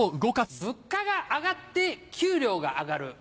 物価が上がって給料が上がる。